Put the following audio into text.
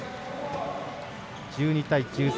１２対１３。